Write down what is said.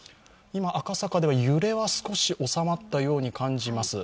今、赤坂では揺れは少しおさまったように感じます。